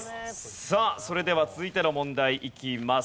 さあそれでは続いての問題いきます。